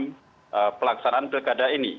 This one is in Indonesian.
dalam pelaksanaan bilkada ini